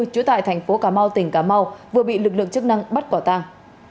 chú tại thành phố cà mau tỉnh cà mau vừa bị lực lượng chức năng bắt quả tăng